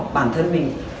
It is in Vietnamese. bản thân mình